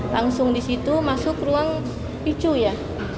langsung di situ masuk ruang picu ya